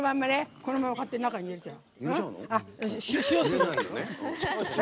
このまま、中に入れちゃう。